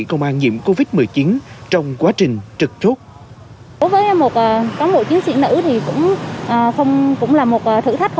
công an nhiễm covid một mươi chín trong quá trình trực thuốc đối với một cán bộ chiến sĩ nữ thì cũng là một thử thách